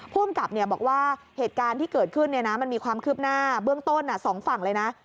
ภูมิกับบอกว่าเหตุการณ์ที่เกิดขึ้นมันมีความคืบหน้าเบื้องต้นสองฝั่งเลยนะ